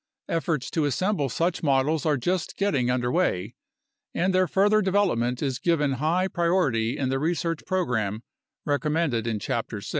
Efforts to assemble such models are just getting under way, and their further development is given high priority in the research program recommended in Chapter 6.